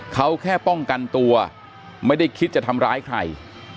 เขาแค่ป้องกันตัวไม่ได้คิดจะทำร้ายใคร